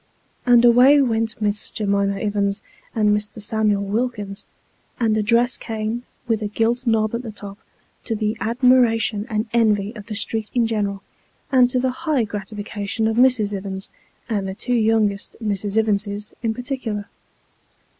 And away went Miss J'mima Ivins and Mr. Samuel Wilkins, and a dress cane, with a gilt knob at the top, to the admiration and envy of the street in general, and to the high gratification of Mrs. Ivins, and the two youngest Miss Ivinses in particular.